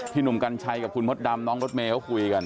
พี่หนุ่มกัญชัยกับคุณพทธดำน้องรถเมว